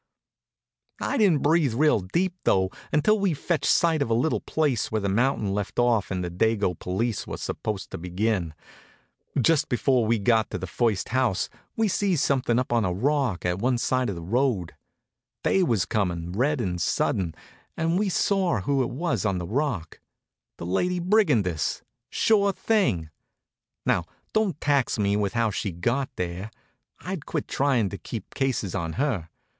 I didn't breathe real deep, though, until we'd fetched sight of a little place where the mountain left off and the dago police were supposed to begin. Just before we got to the first house we sees something up on a rock at one side of the road. Day was comin', red and sudden, and we saw who it was on the rock the lady brigandess. Sure thing! Now don't tax me with how she got there. I'd quit trying to keep cases on her.